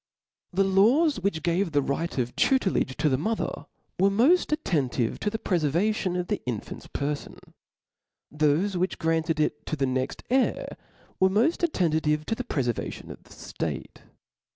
nr^HE laws which gave the right, of tutelagf ^ to the mother, were moft attenti^ to the prefervatton of the infant's perfon ; thofe which granted it to the next heir, were moft attentive to the prefervation of the ilate.